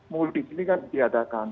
mudik ini kan diadakan